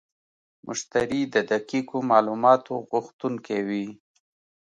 مشتری د دقیقو معلوماتو غوښتونکی وي.